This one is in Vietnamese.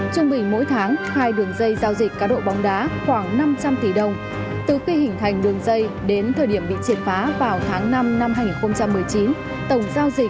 chuẩn bị mỗi tháng hai đường dây giao dịch cá độ bóng đá khoảng năm trăm linh tỷ đồng